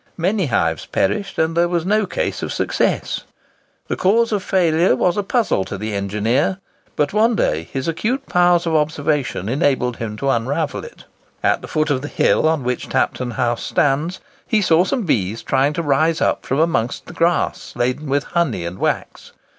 Many hives perished, and there was no case of success. The cause of failure was a puzzle to the engineer; but one day his acute powers of observation enabled him to unravel it. At the foot of the hill on which Tapton House stands, he saw some bees trying to rise up from amongst the grass, laden with honey and wax.